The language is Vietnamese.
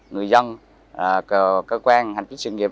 người dân cơ quan hành vi sinh nghiệp